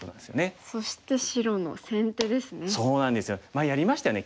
前やりましたよね。